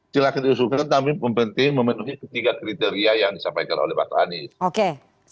silahkan diusulkan tapi penting memenuhi ketiga kriteria yang disampaikan oleh pak anies